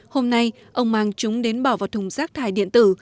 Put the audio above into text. hôm nay ông mang chúng đến bỏ vào thùng rác thải điện tử